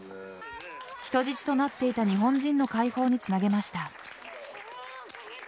人質となっていた日本人の解放につなげました。